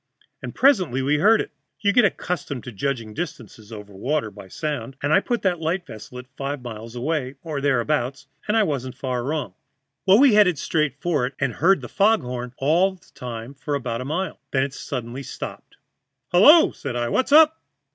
And presently we heard it. You get accustomed to judging distances over water by the sound, and I put that light ship at five miles away, or thereabouts, and I wasn't far wrong. Well, we headed straight for it, and heard the fog horn all the time for about a mile. Then it suddenly stopped. "'Hullo!' said I. 'What's up?'